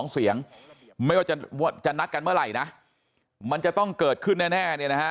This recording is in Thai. ๒เสียงไม่ว่าจะนัดกันเมื่อไหร่นะมันจะต้องเกิดขึ้นแน่เนี่ยนะฮะ